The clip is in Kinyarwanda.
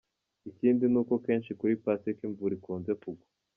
Ikindi nuko kenshi kuri Pasika imvura ikunze kugwa.